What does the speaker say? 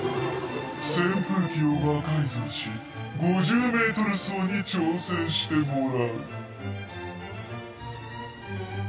扇風機を魔改造し５０メートル走に挑戦してもらう。